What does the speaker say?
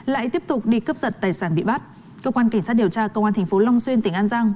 lại tiếp tục đi cướp giật tài sản bị bắt cơ quan kỳ sát điều tra công an tp long xuyên tỉnh an giang